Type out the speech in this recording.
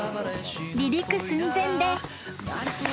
［離陸寸前で］